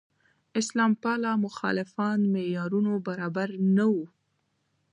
اسلام پاله مخالفان معیارونو برابر نه وو.